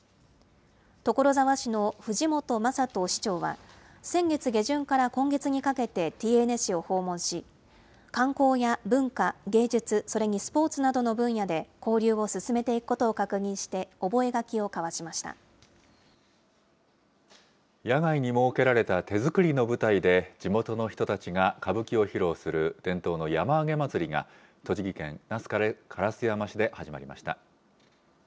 所沢市の藤本正人市長は、先月下旬から今月にかけてティエーネ市を訪問し、観光や文化、芸術、それにスポーツなどの分野で交流を進めていくことを確認して、覚野外に設けられた手作りの舞台で、地元の人たちが歌舞伎を披露する伝統の山あげ祭が、栃木県那須烏山市で始まりました。